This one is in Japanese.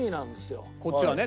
こっちがね